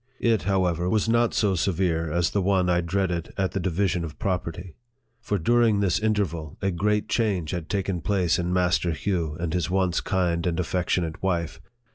It, how ever, was not so severe as the one I dreaded at the 4 50 NARRATIVE OF THE division of property ; for, during this interval, a great change had taken place in Master Hugh and his once kind and affectionate wife.